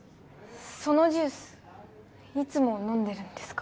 そのジュースいつも飲んでるんですか？